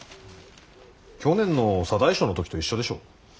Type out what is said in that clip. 去年の左大将の時と一緒でしょう。